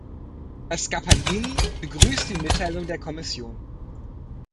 Herr Scapagnini begrüßt die Mitteilung der Kommission.